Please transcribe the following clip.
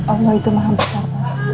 allah itu mahamdulillah